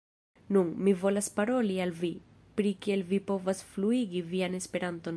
Nun, mi volas paroli al vi, pri kiel vi povas fluigi vian Esperanton.